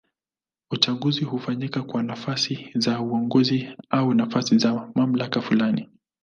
Uchaguzi hufanyika kwa nafasi za uongozi au nafasi za mamlaka fulani.